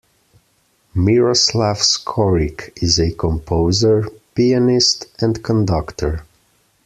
Myroslav Skoryk is a composer, pianist and conductor.